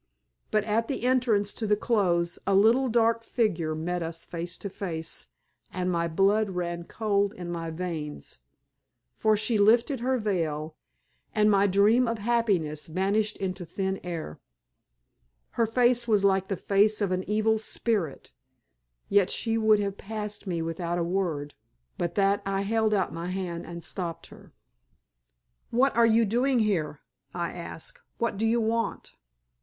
But at the entrance to the close a little dark figure met us face to face, and my blood ran cold in my veins, for she lifted her veil, and my dream of happiness vanished into thin air. Her face was like the face of an evil spirit, yet she would have passed me without a word, but that I held out my hand and stopped her. "What are you doing here?" I asked. "What do you want?"